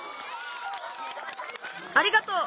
ありがとう。